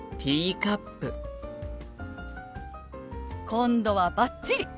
今度はバッチリ！